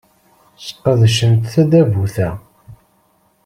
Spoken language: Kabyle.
Sqedcen tadabut-a.